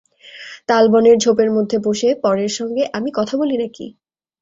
তালবনের ঝোপের মধ্যে বসে পরের সঙ্গে আমি কথা বলি নাকি?